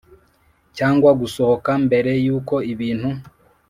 Cyangwa gusohoka mbere y uko ibintu